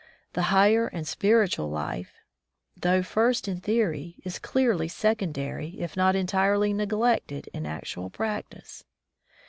The higher and spiritual life, though first in theory, is clearly secondary, if not entirely n^lected, in actual practice.